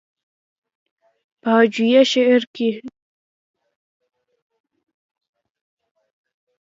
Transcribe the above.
پۀ هجويه شعر کښې